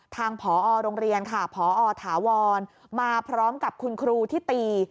ผอโรงเรียนค่ะพอถาวรมาพร้อมกับคุณครูที่ตี